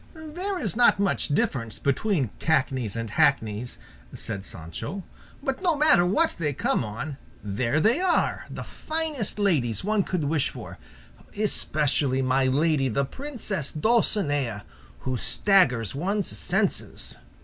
"There is not much difference between cackneys and hackneys," said Sancho; "but no matter what they come on, there they are, the finest ladies one could wish for, especially my lady the princess Dulcinea, who staggers one's senses."